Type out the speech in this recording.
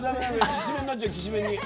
きしめんになっちゃうきしめんに。